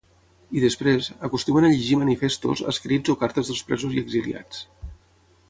I després, acostumen a llegir manifestos, escrits o cartes dels presos i exiliats.